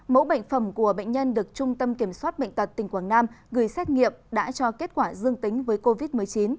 mẫu bệnh phẩm của bệnh nhân được trung tâm kiểm soát bệnh tật tỉnh quảng nam gửi xét nghiệm đã cho kết quả dương tính với covid một mươi chín